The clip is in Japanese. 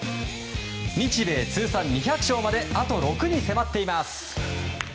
日米通算２００勝まであと６に迫っています。